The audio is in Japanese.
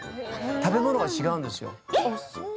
食べ物が違うんですよ。